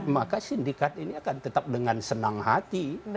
maka sindikat ini akan tetap dengan senang hati